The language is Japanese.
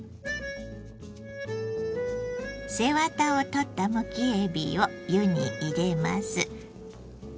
背ワタを取ったむきえびを湯に入れます。